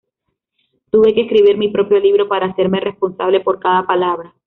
Tuve que escribir mi propio libro para hacerme responsable por cada palabra.